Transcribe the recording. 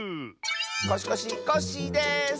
コシコシコッシーです！